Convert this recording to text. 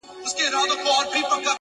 زه ستا سیوری لټومه -